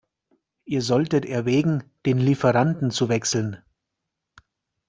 Ihr solltet erwägen, den Lieferanten zu wechseln.